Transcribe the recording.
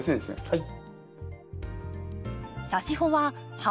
はい。